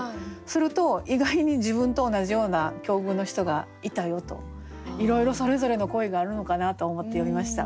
すると意外に自分と同じような境遇の人がいたよといろいろそれぞれの恋があるのかなと思って読みました。